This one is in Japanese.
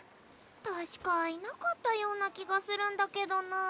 確かいなかったような気がするんだけどなあ。